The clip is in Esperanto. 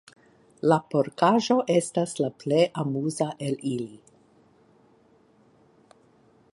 La porkaĵo estas la plej amuza el ili.